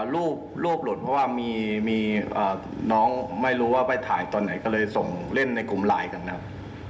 รูปหลุดเพราะว่ามีน้องไม่รู้ว่าไปถ่ายตอนไหนก็เลยส่งเล่นในกลุ่มไลน์กันครับ